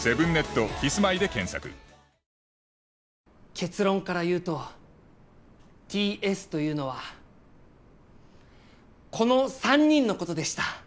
結論から言うとＴ・Ｓというのはこの３人のことでした！